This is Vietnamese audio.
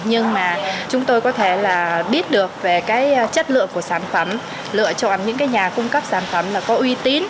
nhưng mà chúng tôi có thể là biết được về cái chất lượng của sản phẩm lựa chọn những cái nhà cung cấp sản phẩm có uy tín